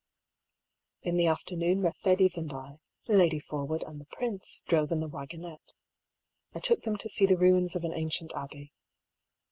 In the afternoon Mercedes and I, Lady Forwood and the prince, drove in the waggonette. I took them to see the ruins of an ancient abbey.